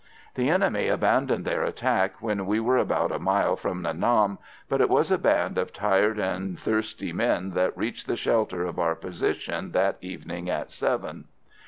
The enemy abandoned their attack when we were about a mile from Nha Nam; but it was a band of tired and thirsty men that reached the shelter of our position that evening at seven.